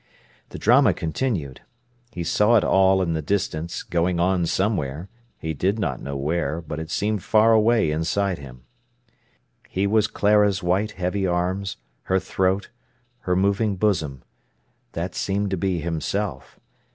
The drama continued. He saw it all in the distance, going on somewhere; he did not know where, but it seemed far away inside him. He was Clara's white heavy arms, her throat, her moving bosom. That seemed to be himself.